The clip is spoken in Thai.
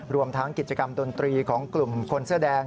รวมทั้งกิจกรรมดนตรีของกลุ่มคนเสื้อแดง